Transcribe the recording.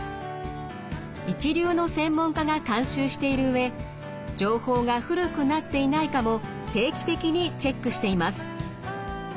一流の専門家が監修している上情報が古くなっていないかも定期的にチェックしています。